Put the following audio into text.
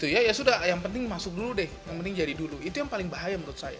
ya ya sudah yang penting masuk dulu deh yang penting jadi dulu itu yang paling bahaya menurut saya